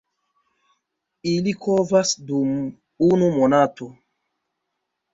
Ili kovas dum unu monato.